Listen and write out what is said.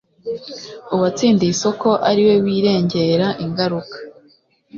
uwatsindiye isoko ariwe wirengera ingaruka